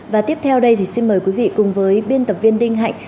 và tiếp theo đây thì xin mời quý vị cùng với biên tập viên đinh hạnh